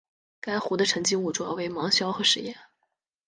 该湖的沉积物主要为芒硝和石盐。